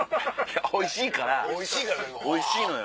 おいしいからおいしいのよ。